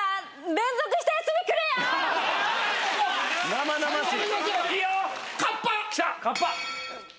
生々しい！